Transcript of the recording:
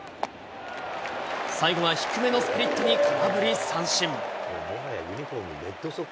最後は低めのスプリットに空振り三振。